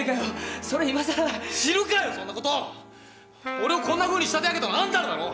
俺をこんな風に仕立て上げたのはあんたらだろ！